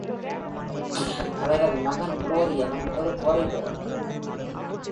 அவரது மகன் ஃப்ளோரியனும் ஒரு பாரிடோன்.